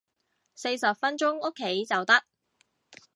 四十分鐘屋企就得